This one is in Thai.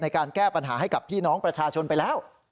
แก้ปัญหาให้กับพี่น้องประชาชนไปแล้ว